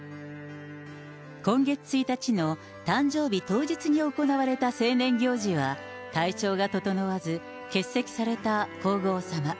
今月１日の誕生日当日に行われた成年行事は、体調が整わず、欠席された皇后さま。